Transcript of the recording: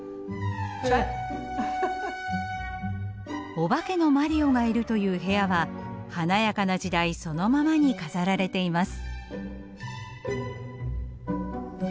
お化けのマリオがいるという部屋は華やかな時代そのままに飾られています。